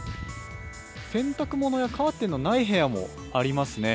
洗濯物やカーテンのない部屋もありますね。